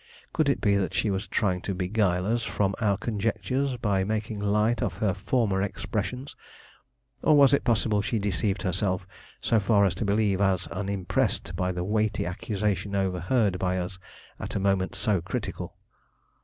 Could it be that she was trying to beguile us from our conjectures, by making light of her former expressions? Or was it possible she deceived herself so far as to believe us unimpressed by the weighty accusation overheard by us at a moment so critical?